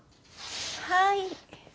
はい。